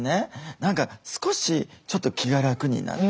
何か少しちょっと気が楽になった。